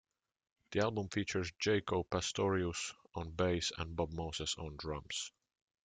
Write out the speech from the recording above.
The album features Jaco Pastorius on bass and Bob Moses on drums.